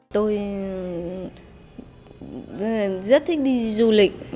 tôi rất thích đi du lịch